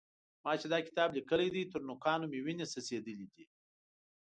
ما چې دا کتاب لیکلی دی؛ تر نوکانو مې وينې څڅېدلې دي.